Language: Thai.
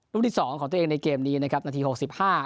ที่สองของตัวเองในเกมนี้นะครับนาทีหกสิบห้า